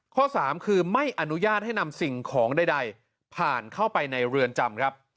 ข้อ๓คือไม่อนุญาตให้นำสิ่งของใดผ่านเข้าไปในเรือนจำครับ